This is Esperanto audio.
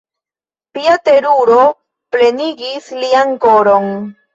Pia teruro plenigis lian koron.